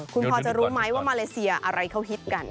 คุณพอจะรู้ไหมว่ามาเลเซียอะไรเขาฮิตกัน